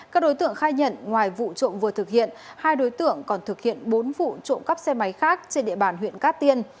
các đối tượng khai nhận ngoài vụ trộm vừa thực hiện hai đối tượng còn thực hiện bốn vụ trộm cắp xe máy khác trên địa bàn huyện cát tiên